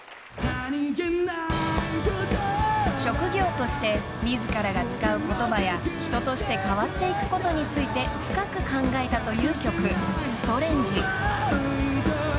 ［職業として自らが使う言葉や人として変わっていくことについて深く考えたという曲］